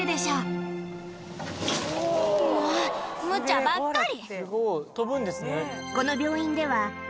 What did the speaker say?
もうむちゃばっかり！